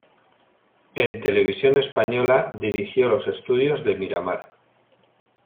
En Televisión española dirigió los Estudios de Miramar.